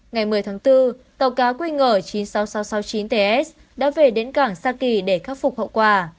ngày một mươi tháng bốn tàu cá quy ngờ chín mươi sáu nghìn sáu trăm sáu mươi chín ts đã về đến cảng saki để khắc phục hậu quả